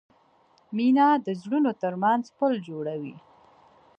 مینه د زړونو ترمنځ پُل جوړوي.